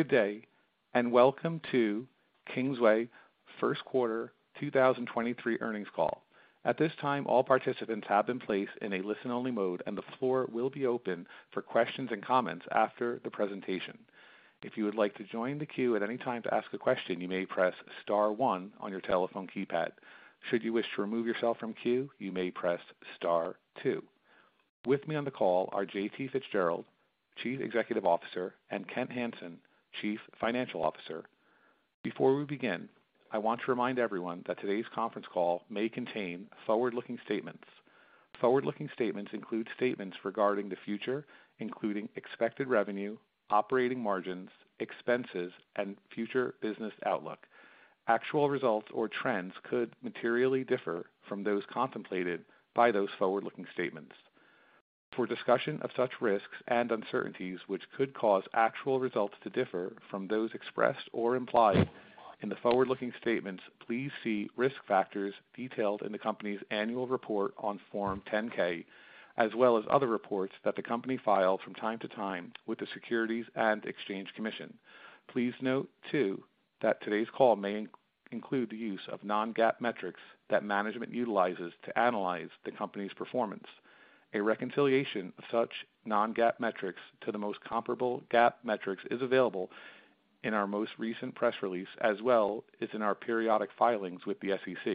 Good day, welcome to Kingsway First Quarter 2023 Earnings Call. At this time, all participants have been placed in a listen-only mode, and the floor will be open for questions and comments after the presentation. If you would like to join the queue at any time to ask a question, you may press star one on your telephone keypad. Should you wish to remove yourself from queue, you may press star two. With me on the call are J.T. Fitzgerald, Chief Executive Officer, and Kent Hansen, Chief Financial Officer. Before we begin, I want to remind everyone that today's conference call may contain forward-looking statements. Forward-looking statements include statements regarding the future, including expected revenue, operating margins, expenses, and future business outlook. Actual results or trends could materially differ from those contemplated by those forward-looking statements. For discussion of such risks and uncertainties which could cause actual results to differ from those expressed or implied in the forward-looking statements, please see risk factors detailed in the Company's annual report on Form 10-K, as well as other reports that the company filed from time to time with the Securities and Exchange Commission. Please note, too, that today's call may include the use of non-GAAP metrics that management utilizes to analyze the company's performance. A reconciliation of such non-GAAP metrics to the most comparable GAAP metrics is available in our most recent press release as well as in our periodic filings with the SEC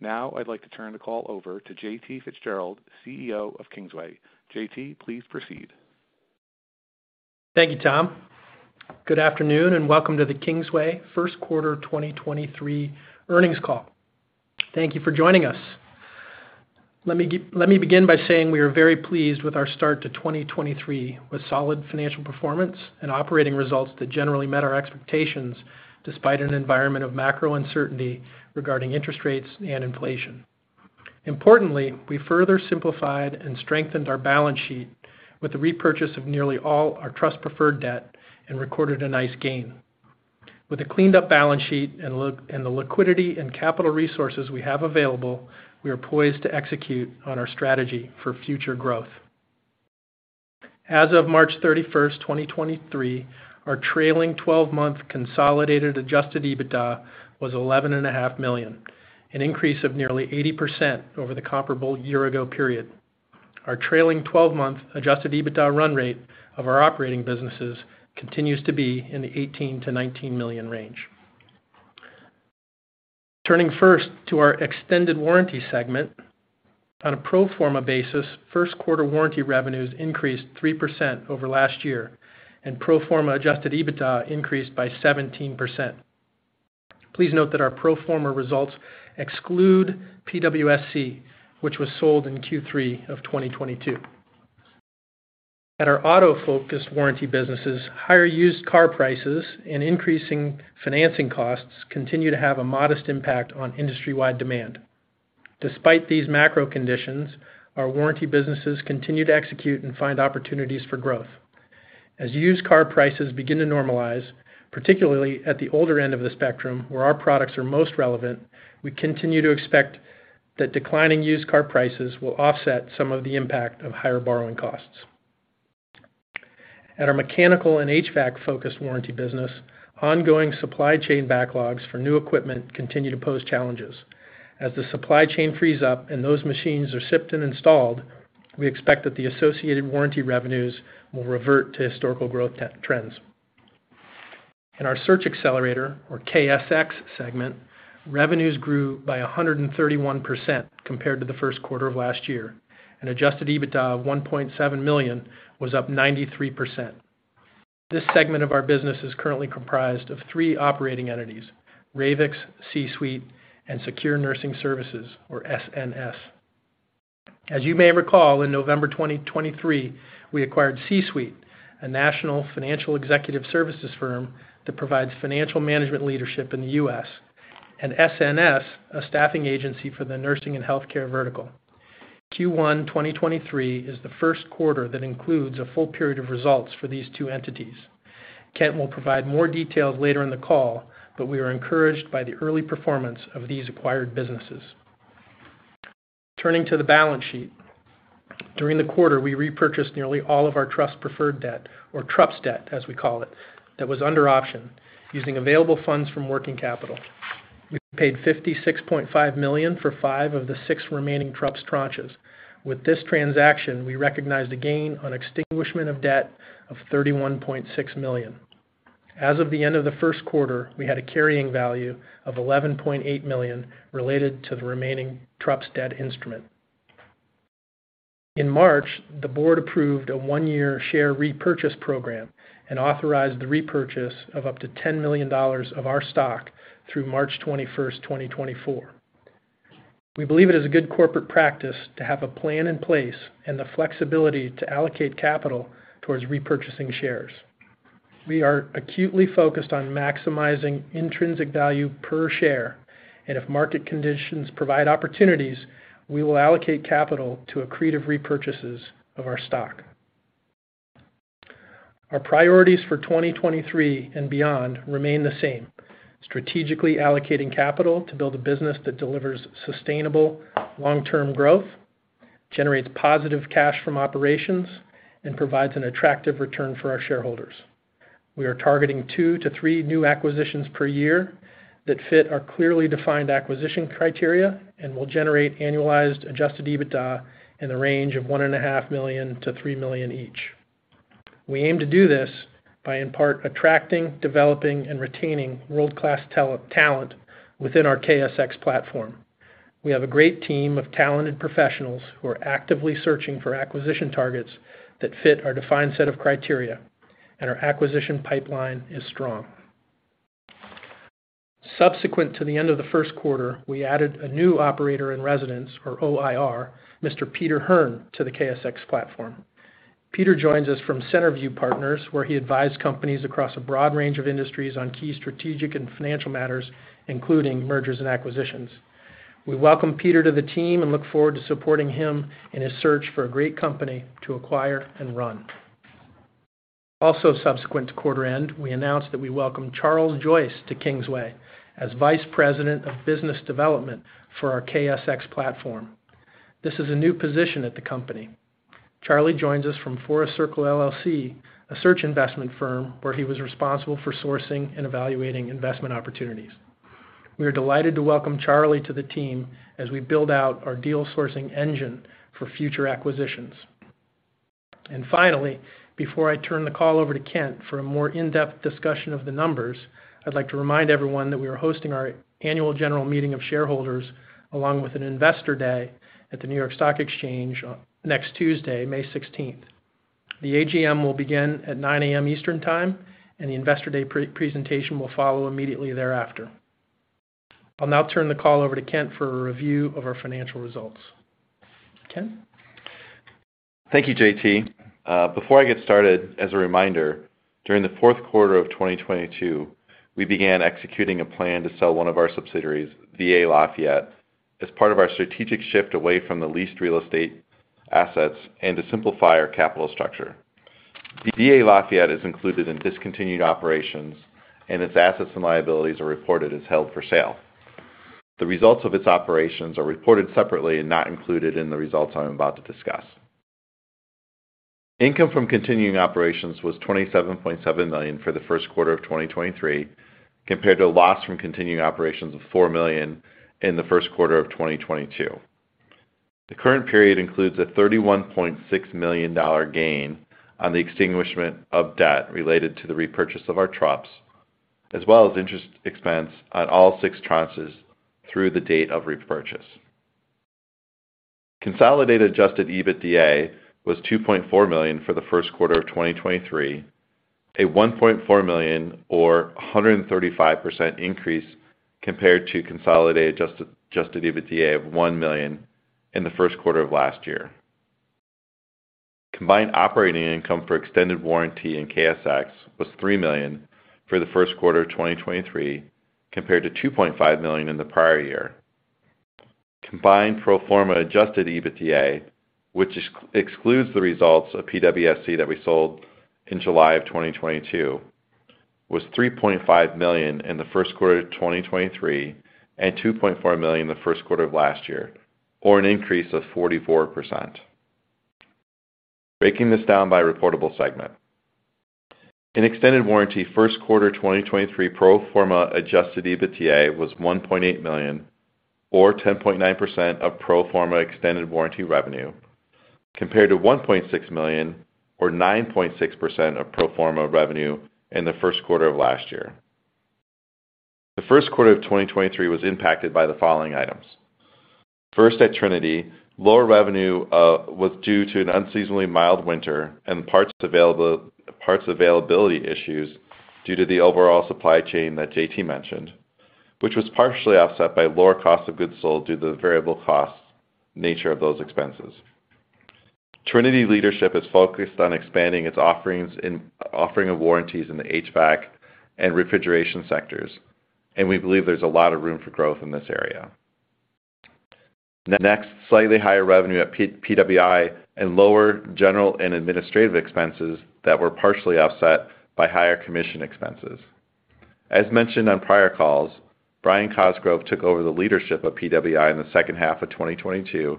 I'd like to turn the call over to J.T. Fitzgerald, CEO of Kingsway. J.T., please proceed. Thank you, Tom. Good afternoon, welcome to the Kingsway First Quarter 2023 Earnings Call. Thank you for joining us. Let me begin by saying we are very pleased with our start to 2023, with solid financial performance and operating results that generally met our expectations despite an environment of macro uncertainty regarding interest rates and inflation. Importantly, we further simplified and strengthened our balance sheet with the repurchase of nearly all our trust preferred debt and recorded a nice gain. With a cleaned up balance sheet and the liquidity and capital resources we have available, we are poised to execute on our strategy for future growth. As of March 31, 2023, our trailing twelve-month consolidated adjusted EBITDA was $11 and a half million, an increase of nearly 80% over the comparable year-ago period. Our trailing 12-month adjusted EBITDA run rate of our operating businesses continues to be in the $18 million-$19 million range. Turning first to our Extended Warranty segment. On a pro forma basis, first quarter warranty revenues increased 3% over last year, and pro forma adjusted EBITDA increased by 17%. Please note that our pro forma results exclude PWSC, which was sold in Q3 of 2022. At our auto-focused warranty businesses, higher used car prices and increasing financing costs continue to have a modest impact on industry-wide demand. Despite these macro conditions, our warranty businesses continue to execute and find opportunities for growth. As used car prices begin to normalize, particularly at the older end of the spectrum where our products are most relevant, we continue to expect that declining used car prices will offset some of the impact of higher borrowing costs. At our mechanical and HVAC focused warranty business, ongoing supply chain backlogs for new equipment continue to pose challenges. As the supply chain frees up and those machines are shipped and installed, we expect that the associated warranty revenues will revert to historical growth trends. In our Search Xcelerator or KSX segment, revenues grew by 131% compared to the first quarter of last year, and adjusted EBITDA of $1.7 million was up 93%. This segment of our business is currently comprised of three operating entities, Ravix, C-Suite, and Secure Nursing Services or SNS. As you may recall, in November 2023, we acquired CSuite, a national financial executive services firm that provides financial management leadership in the U.S., and SNS, a staffing agency for the nursing and healthcare vertical. Q1 2023 is the first quarter that includes a full period of results for these two entities. Kent will provide more details later in the call, but we are encouraged by the early performance of these acquired businesses. Turning to the balance sheet. During the quarter, we repurchased nearly all of our trust preferred debt or TRUPS debt, as we call it, that was under option using available funds from working capital. We paid $56.5 million for five of the six remaining TRUPS tranches. With this transaction, we recognized a gain on extinguishment of debt of $31.6 million. As of the end of the first quarter, we had a carrying value of $11.8 million related to the remaining TRUPS debt instrument. In March, the board approved a one-year share repurchase program and authorized the repurchase of up to $10 million of our stock through March 21st, 2024. We believe it is a good corporate practice to have a plan in place and the flexibility to allocate capital towards repurchasing shares. We are acutely focused on maximizing intrinsic value per share. If market conditions provide opportunities, we will allocate capital to accretive repurchases of our stock. Our priorities for 2023 and beyond remain the same. Strategically allocating capital to build a business that delivers sustainable long-term growth, generates positive cash from operations and provides an attractive return for our shareholders. We are targeting 2-3 new acquisitions per year that fit our clearly defined acquisition criteria and will generate annualized adjusted EBITDA in the range of $1.5 million-$3 million each. We aim to do this by in part attracting, developing and retaining world-class tele-talent within our KSX platform. We have a great team of talented professionals who are actively searching for acquisition targets that fit our defined set of criteria, and our acquisition pipeline is strong. Subsequent to the end of the first quarter, we added a new operator in residence or OIR, Mr. Peter Hearne to the KSX platform. Peter joins us from Centerview Partners, where he advised companies across a broad range of industries on key strategic and financial matters, including mergers and acquisitions. We welcome Peter to the team and look forward to supporting him in his search for a great company to acquire and run. Subsequent to quarter end, we announced that we welcome Charles Joyce to Kingsway as Vice President of Business Development for our KSX platform. This is a new position at the company. Charlie joins us from 4 Circle LLC, a search investment firm where he was responsible for sourcing and evaluating investment opportunities. We are delighted to welcome Charlie to the team as we build out our deal sourcing engine for future acquisitions. Finally, before I turn the call over to Kent for a more in-depth discussion of the numbers, I'd like to remind everyone that we are hosting our annual general meeting of shareholders along with an Investor Day at the New York Stock Exchange next Tuesday, May 16th. The AGM will begin at 9:00 A.M. Eastern Time. The Investor Day pre-presentation will follow immediately thereafter. I'll now turn the call over to Kent for a review of our financial results. Kent. Thank you, J.T. Before I get started, as a reminder, during the fourth quarter of 2022, we began executing a plan to sell one of our subsidiaries, VA Lafayette, as part of our strategic shift away from the leased real estate assets and to simplify our capital structure. VA Lafayette is included in discontinued operations, and its assets and liabilities are reported as held for sale. The results of its operations are reported separately and not included in the results I'm about to discuss. Income from continuing operations was $27.7 million for the first quarter of 2023, compared to a loss from continuing operations of $4 million in the first quarter of 2022. The current period includes a $31.6 million gain on the extinguishment of debt related to the repurchase of our tranches, as well as interest expense on all 6 tranches through the date of repurchase. Consolidated adjusted EBITDA was $2.4 million for the first quarter of 2023, a $1.4 million or 135% increase compared to consolidated adjusted EBITDA of $1 million in the first quarter of last year. Combined operating income for Extended Warranty in KSX was $3 million for the first quarter of 2023 compared to $2.5 million in the prior year. Combined pro forma adjusted EBITDA, which excludes the results of PWSC that we sold in July of 2022, was $3.5 million in the first quarter of 2023 and $2.4 million in the first quarter of last year, or an increase of 44%. Breaking this down by reportable segment. In Extended Warranty, first quarter 2023 pro forma adjusted EBITDA was $1.8 million or 10.9% of pro forma Extended Warranty revenue, compared to $1.6 million or 9.6% of pro forma revenue in the first quarter of last year. The first quarter of 2023 was impacted by the following items. First, at Trinity, lower revenue was due to an unseasonably mild winter and parts availability issues due to the overall supply chain that J.T. mentioned, which was partially offset by lower cost of goods sold due to the variable cost nature of those expenses. Trinity leadership is focused on expanding its offering of warranties in the HVAC and refrigeration sectors, and we believe there's a lot of room for growth in this area. Slightly higher revenue at PWI and lower general and administrative expenses that were partially offset by higher commission expenses. As mentioned on prior calls, Brian Cosgrove took over the leadership of PWI in the second half of 2022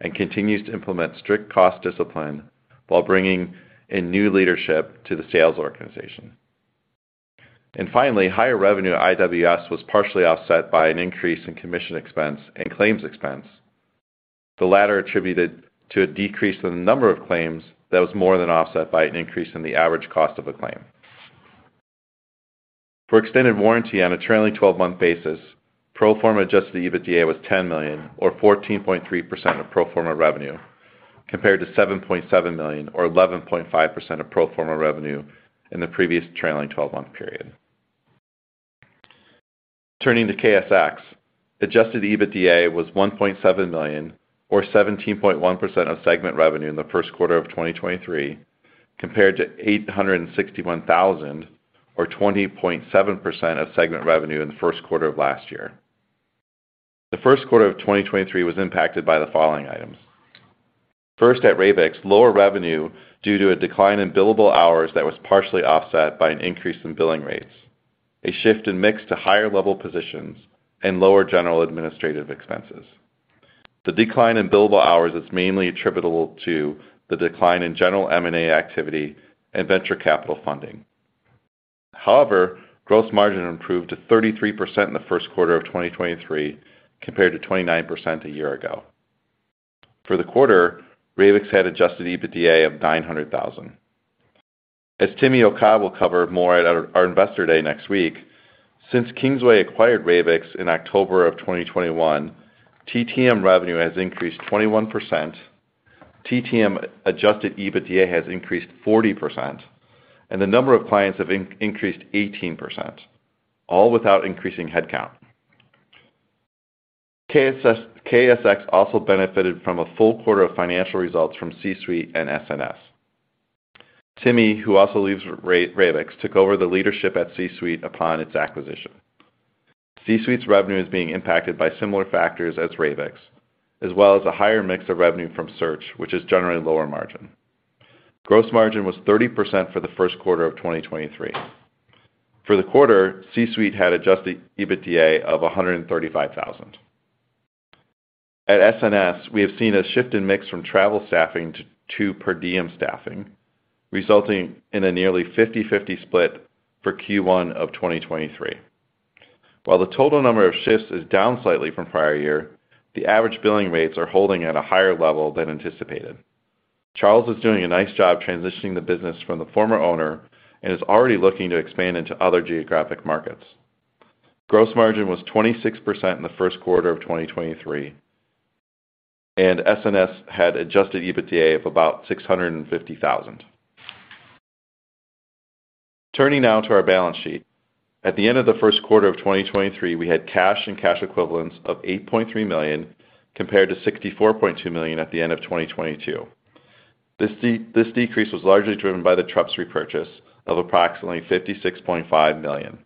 and continues to implement strict cost discipline while bringing in new leadership to the sales organization. Finally, higher revenue at IWS was partially offset by an increase in commission expense and claims expense. The latter attributed to a decrease in the number of claims that was more than offset by an increase in the average cost of a claim. For Extended Warranty on a trailing twelve-month basis, pro forma adjusted EBITDA was $10 million or 14.3% of pro forma revenue, compared to $7.7 million or 11.5% of pro forma revenue in the previous trailing twelve-month period. Turning to KSX, adjusted EBITDA was $1.7 million or 17.1% of segment revenue in the first quarter of 2023, compared to $861,000 or 20.7% of segment revenue in the first quarter of last year. The first quarter of 2023 was impacted by the following items. First, at Ravix, lower revenue due to a decline in billable hours that was partially offset by an increase in billing rates. A shift in mix to higher level positions and lower general administrative expenses. The decline in billable hours is mainly attributable to the decline in general M&A activity and venture capital funding. However, gross margin improved to 33% in the first quarter of 2023, compared to 29% a year ago. For the quarter, Ravix had adjusted EBITDA of $900,000. As Timi Okah will cover more at our Investor Day next week, since Kingsway acquired Ravix in October of 2021, TTM revenue has increased 21%, TTM adjusted EBITDA has increased 40%, and the number of clients have increased 18%, all without increasing headcount. KSX also benefited from a full quarter of financial results from C-Suite and SNS. Timi, who also leads Ravix, took over the leadership at CSuite upon its acquisition. CSuite's revenue is being impacted by similar factors as Ravix, as well as a higher mix of revenue from search, which is generally lower margin. Gross margin was 30% for the first quarter of 2023. For the quarter, CSuite had adjusted EBITDA of $135,000. At SNS, we have seen a shift in mix from travel staffing to per diem staffing, resulting in a nearly 50/50 split for Q1 of 2023. While the total number of shifts is down slightly from prior year, the average billing rates are holding at a higher level than anticipated. Charles is doing a nice job transitioning the business from the former owner and is already looking to expand into other geographic markets. Gross margin was 26% in the first quarter of 2023, and SNS had adjusted EBITDA of about $650,000. Turning now to our balance sheet. At the end of the first quarter of 2023, we had cash and cash equivalents of $8.3 million, compared to $64.2 million at the end of 2022. This decrease was largely driven by the TRUPS repurchase of approximately $56.5 million.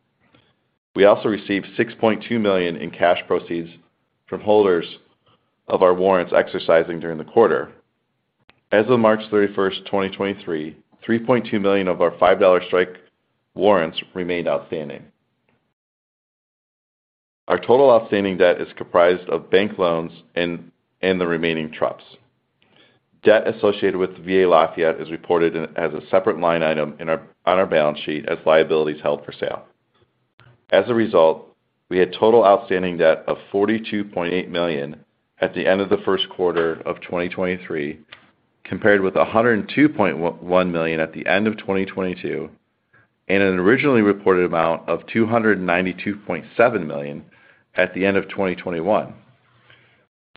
We also received $6.2 million in cash proceeds from holders of our warrants exercising during the quarter. As of March 31, 2023, $3.2 million of our $5 strike warrants remained outstanding. Our total outstanding debt is comprised of bank loans and the remaining TRUPS. Debt associated with VA Lafayette is reported in as a separate line item on our balance sheet as liabilities held for sale. We had total outstanding debt of $42.8 million at the end of the first quarter of 2023, compared with $102.1 million at the end of 2022, and an originally reported amount of $292.7 million at the end of 2021.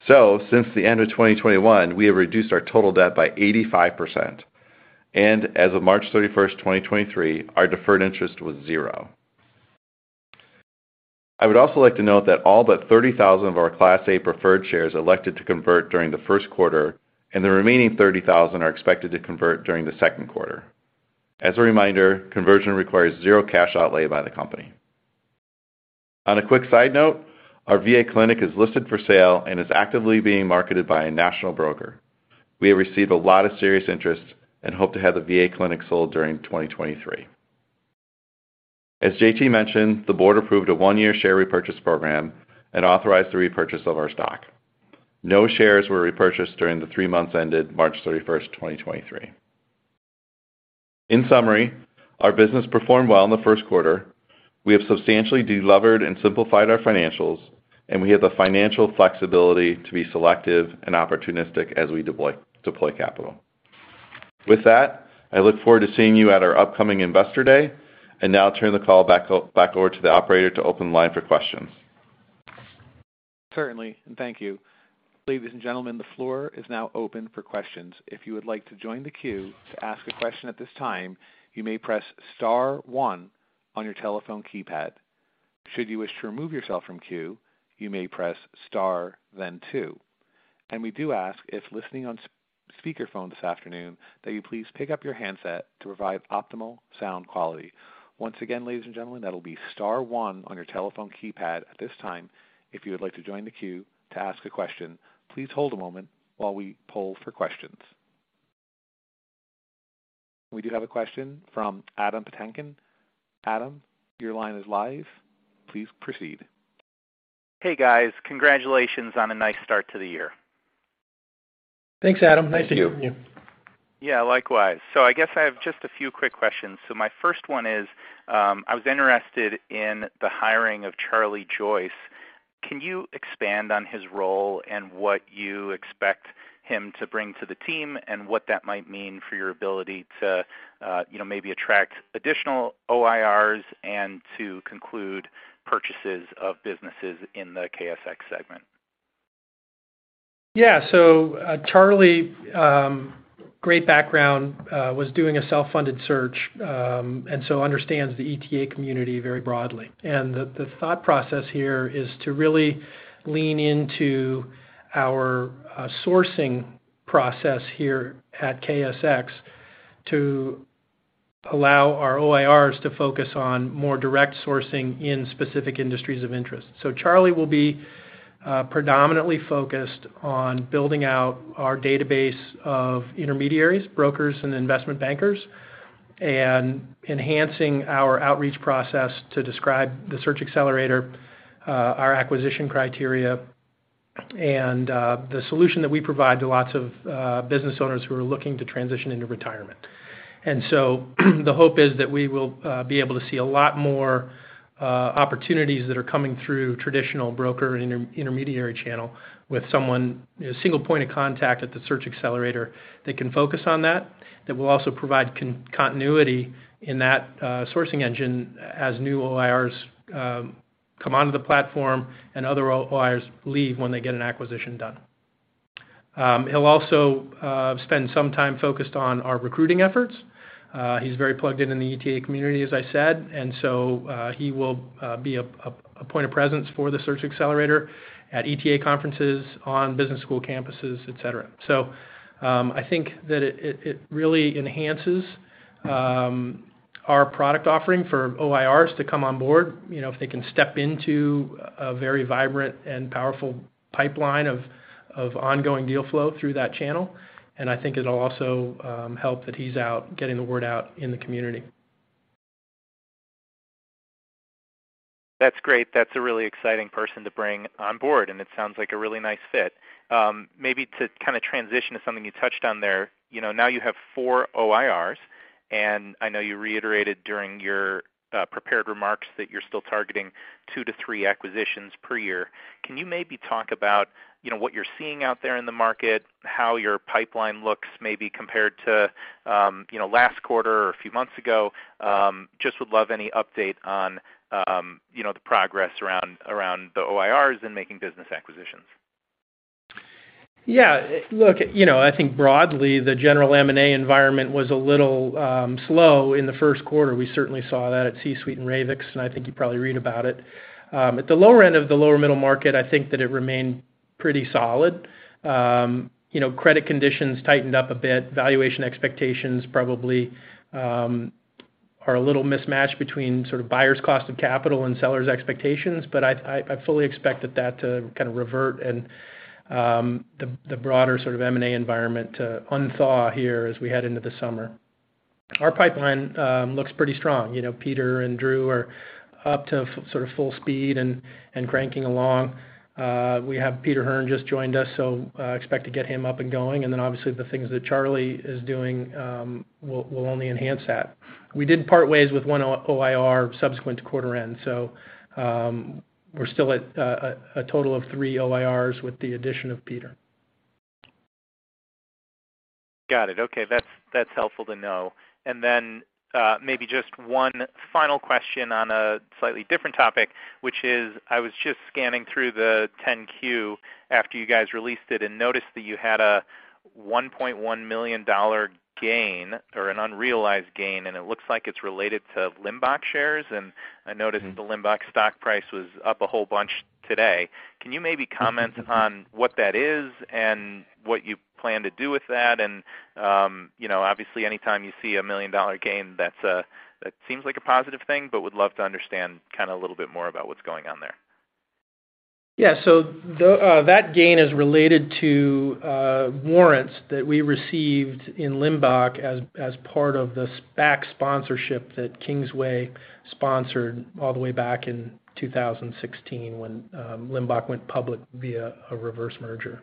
Since the end of 2021, we have reduced our total debt by 85%. As of March 31, 2023, our deferred interest was $0. I would also like to note that all but 30,000 of our Class A preferred shares elected to convert during the first quarter, and the remaining 30,000 are expected to convert during the second quarter. As a reminder, conversion requires zero cash outlay by the company. On a quick side note, our VA clinic is listed for sale and is actively being marketed by a national broker. We have received a lot of serious interest and hope to have the VA clinic sold during 2023. As J.T. mentioned, the board approved a 1-year share repurchase program and authorized the repurchase of our stock. No shares were repurchased during the 3 months ended March 31, 2023. In summary, our business performed well in the first quarter. We have substantially de-levered and simplified our financials, and we have the financial flexibility to be selective and opportunistic as we deploy capital. With that, I look forward to seeing you at our upcoming Investor Day and now turn the call back over to the operator to open the line for questions. Certainly, and thank you. Ladies and gentlemen, the floor is now open for questions. If you would like to join the queue to ask a question at this time, you may press star one on your telephone keypad. Should you wish to remove yourself from queue, you may press star, then two. We do ask, if listening on speaker phone this afternoon, that you please pick up your handset to provide optimal sound quality. Once again, ladies and gentlemen, that'll be star one on your telephone keypad at this time, if you would like to join the queue to ask a question. Please hold a moment while we poll for questions. We do have a question from Adam Patinkin. Adam, your line is live. Please proceed. Hey, guys. Congratulations on a nice start to the year. Thanks, Adam. Nice to hear from you. Yeah, likewise. I guess I have just a few quick questions. My first one is, I was interested in the hiring of Charlie Joyce. Can you expand on his role and what you expect him to bring to the team and what that might mean for your ability to, you know, maybe attract additional OIRs and to conclude purchases of businesses in the KSX segment? Yeah. Charlie, great background, was doing a self-funded search, understands the ETA community very broadly. The thought process here is to really lean into our sourcing process here at KSX to allow our OIRs to focus on more direct sourcing in specific industries of interest. Charlie will be... ...predominantly focused on building out our database of intermediaries, brokers, and investment bankers, and enhancing our outreach process to describe the Search Xcelerator, our acquisition criteria, and the solution that we provide to lots of business owners who are looking to transition into retirement. The hope is that we will be able to see a lot more opportunities that are coming through traditional broker and intermediary channel with someone, you know, single point of contact at the Search Xcelerator that can focus on that will also provide continuity in that sourcing engine as new OIRs come onto the platform and other OIRs leave when they get an acquisition done. He'll also spend some time focused on our recruiting efforts. He's very plugged in in the ETA community, as I said. He will be a point of presence for the Search Xcelerator at ETA conferences on business school campuses, et cetera. I think that it really enhances our product offering for OIRs to come on board, you know, if they can step into a very vibrant and powerful pipeline of ongoing deal flow through that channel. I think it'll also help that he's out getting the word out in the community. That's great. That's a really exciting person to bring on board, and it sounds like a really nice fit. Maybe to kind of transition to something you touched on there, you know, now you have 4 OIRs, and I know you reiterated during your prepared remarks that you're still targeting 2-3 acquisitions per year. Can you maybe talk about, you know, what you're seeing out there in the market, how your pipeline looks maybe compared to, you know, last quarter or a few months ago? Just would love any update on, you know, the progress around the OIRs and making business acquisitions. Look, you know, I think broadly, the general M&A environment was a little slow in the first quarter. We certainly saw that at CSuite and Ravix, and I think you probably read about it. At the lower end of the lower middle market, I think that it remained pretty solid. You know, credit conditions tightened up a bit. Valuation expectations probably are a little mismatched between sort of buyers' cost of capital and sellers' expectations. I fully expected that to kind of revert and the broader sort of M&A environment to unthaw here as we head into the summer. Our pipeline looks pretty strong. You know, Peter and Drew are up to sort of full speed and cranking along. We have Peter Hearne just joined us, so expect to get him up and going. obviously, the things that Charlie is doing, will only enhance that. We did part ways with 1 OIR subsequent to quarter end, so, we're still at a total of 3 OIRs with the addition of Peter. Got it. Okay. That's helpful to know. Maybe just one final question on a slightly different topic, which is, I was just scanning through the Form 10-Q after you guys released it and noticed that you had a $1.1 million gain or an unrealized gain, and it looks like it's related to Limbach shares. I noticed- Mm-hmm. the Limbach stock price was up a whole bunch today. Can you maybe comment on what that is and what you plan to do with that? You know, obviously, anytime you see a million-dollar gain, that's that seems like a positive thing, but would love to understand kind of a little bit more about what's going on there. Yeah. That gain is related to warrants that we received in Limbach as part of the SPAC sponsorship that Kingsway sponsored all the way back in 2016 when Limbach went public via a reverse merger.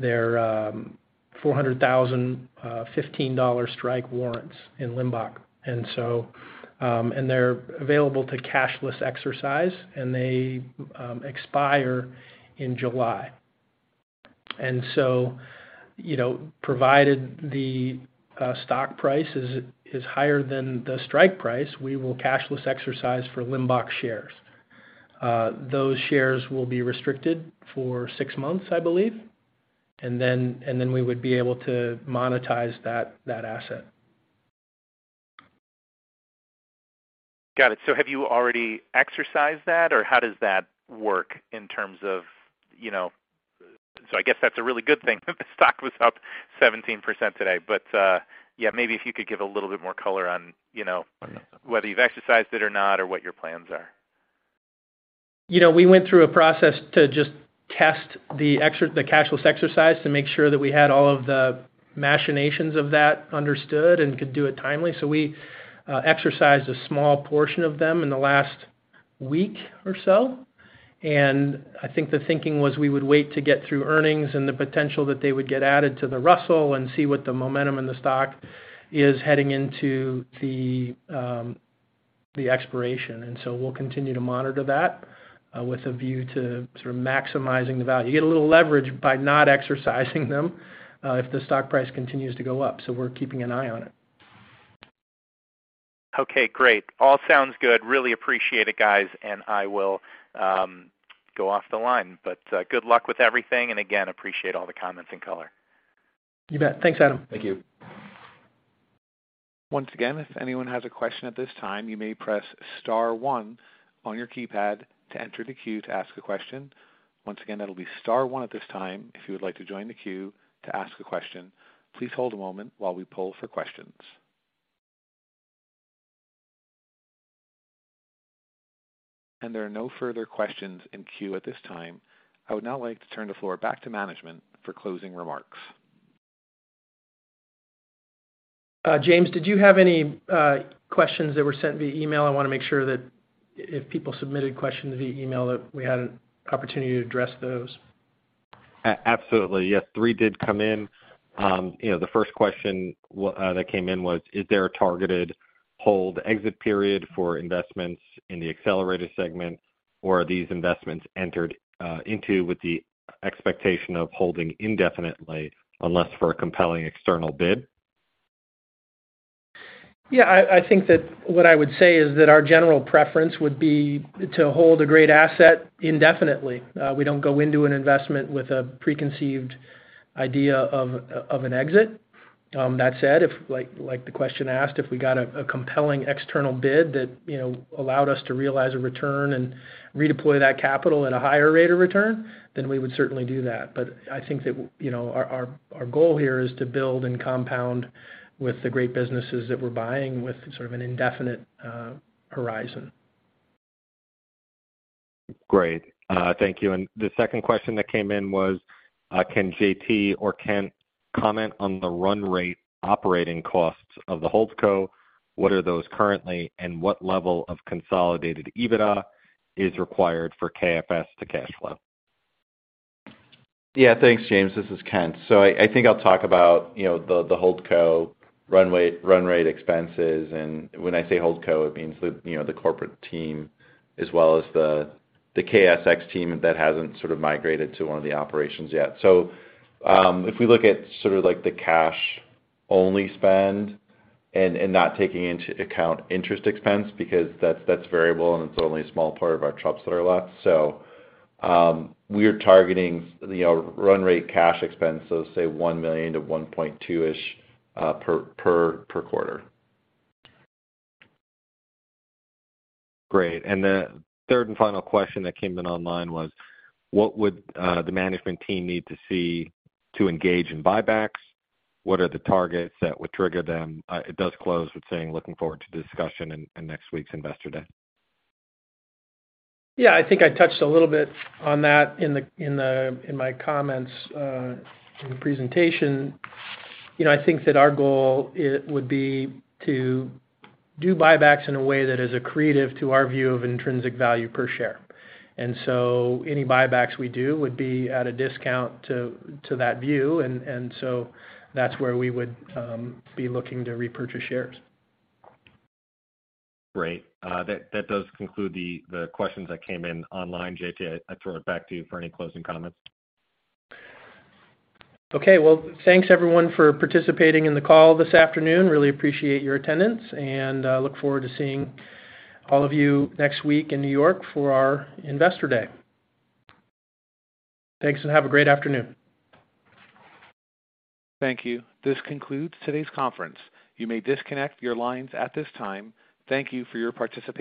They're 400,000 $15 strike warrants in Limbach. They're available to cashless exercise, and they expire in July. You know, provided the stock price is higher than the strike price, we will cashless exercise for Limbach shares. Those shares will be restricted for 6 months, I believe. Then we would be able to monetize that asset. Got it. Have you already exercised that, or how does that work in terms of, you know. I guess that's a really good thing that the stock was up 17% today. Yeah, maybe if you could give a little bit more color on, you know, whether you've exercised it or not or what your plans are. You know, we went through a process to just test the cashless exercise to make sure that we had all of the machinations of that understood and could do it timely. We exercised a small portion of them in the last week or so. I think the thinking was we would wait to get through earnings and the potential that they would get added to the Russell and see what the momentum in the stock is heading into the expiration. We'll continue to monitor that with a view to sort of maximizing the value. You get a little leverage by not exercising them if the stock price continues to go up. We're keeping an eye on it. Okay, great. All sounds good. Really appreciate it, guys. I will go off the line. Good luck with everything, and again, appreciate all the comments and color. You bet. Thanks, Adam. Thank you. Once again, if anyone has a question at this time, you may press star one on your keypad to enter the queue to ask a question. Once again, that'll be star one at this time if you would like to join the queue to ask a question. Please hold a moment while we pull for questions. There are no further questions in queue at this time. I would now like to turn the floor back to management for closing remarks. James, did you have any questions that were sent via email? I wanna make sure that if people submitted questions via email, that we had an opportunity to address those. Absolutely. Yes, 3 did come in. You know, the first question that came in was: Is there a targeted hold exit period for investments in the accelerated segment, or are these investments entered into with the expectation of holding indefinitely unless for a compelling external bid? Yeah, I think that what I would say is that our general preference would be to hold a great asset indefinitely. We don't go into an investment with a preconceived idea of an exit. That said, if like the question asked, if we got a compelling external bid that, you know, allowed us to realize a return and redeploy that capital at a higher rate of return, then we would certainly do that. I think that, you know, our goal here is to build and compound with the great businesses that we're buying with sort of an indefinite horizon. Great. thank you. The second question that came in was: Can JT or Kent comment on the run rate operating costs of the Holdco? What are those currently, and what level of consolidated EBITDA is required for KFS to cash flow? Thanks, James. This is Kent. I think I'll talk about, you know, the Holdco run rate expenses. When I say Holdco, it means the, you know, the corporate team as well as the KSX team that hasn't sort of migrated to one of the operations yet. If we look at sort of like the cash only spend and not taking into account interest expense because that's variable and it's only a small part of our chops that are left. We are targeting, you know, run rate cash expense, say $1 million-$1.2 million-ish per quarter. Great. The third and final question that came in online was: What would the management team need to see to engage in buybacks? What are the targets that would trigger them? It does close with saying, "Looking forward to the discussion in next week's Investor Day. Yeah. I think I touched a little bit on that in the comments, in the presentation. You know, I think that our goal would be to do buybacks in a way that is accretive to our view of intrinsic value per share. Any buybacks we do would be at a discount to that view. That's where we would be looking to repurchase shares. Great. That does conclude the questions that came in online. J.T., I throw it back to you for any closing comments. Okay. Well, thanks everyone for participating in the call this afternoon. Really appreciate your attendance, and, look forward to seeing all of you next week in New York for our Investor Day. Thanks, and have a great afternoon. Thank you. This concludes today's conference. You may disconnect your lines at this time. Thank you for your participation.